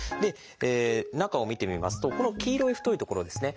中を見てみますとこの黄色い太い所ですね